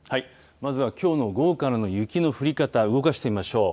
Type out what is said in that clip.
まずは、きょうの午後からの雪の降り方から動かしてみましょう。